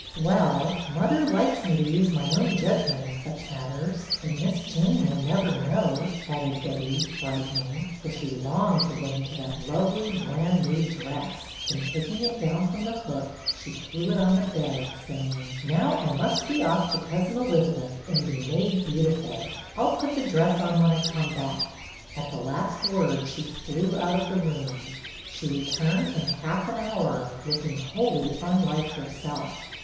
" Well, mother likes me to use my own judgment in such matters, and Miss Jane will never know," added Betty, brightening, for she longed to get into that lovely, brand new dress; and taking it down from the hook, she threw it on the bed, saying, —" Now I must be off to Cousin Elizabeth, and be made beautiful. I 'll put the dress on when I come back." At the last word she flew out of the room. She returned in half an hour, looking wholly unlike herself.